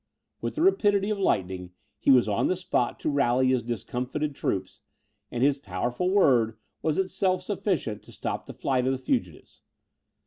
With the rapidity of lightning he was on the spot to rally his discomfited troops; and his powerful word was itself sufficient to stop the flight of the fugitives.